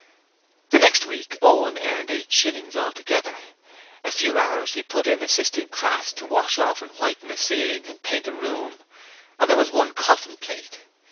The next week Owen earned eight shillings altogether: a few hours he put in assisting Crass to wash off and whiten a ceiling and paint a room, and there was one coffin plate.